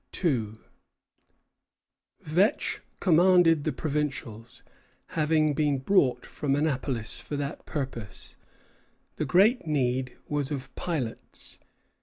Vetch commanded the provincials, having been brought from Annapolis for that purpose. The great need was of pilots.